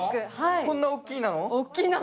こんな大きいの？